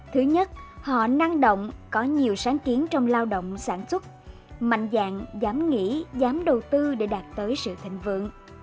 thứ nhất họ năng động có nhiều sáng kiến trong lao động sản xuất mạnh dạng dám nghĩ dám đầu tư để đạt tới sự thịnh vượng